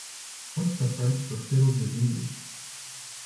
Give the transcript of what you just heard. What’s the French for fiddle-de-dee?